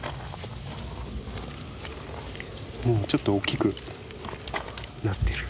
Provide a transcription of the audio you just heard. うんちょっと大きくなってる。